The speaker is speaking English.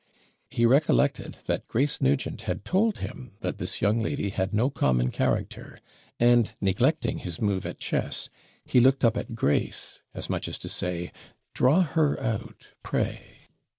He recollected that Grace Nugent had told him that this young lady had no common character; and, neglecting his move at chess, he looked up at Grace as much as to say, 'DRAW HER OUT, pray.'